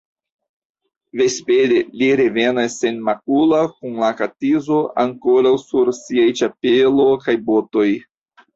Vespere li revenas senmakula kun la katizo ankoraŭ sur siaj ĉapelo kaj botoj.